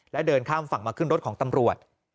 และเดินข้ามฝั่งมาขึ้นรถของตำรวจ